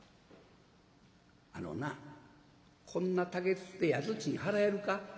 「あのなこんな竹筒で宿賃払えるか？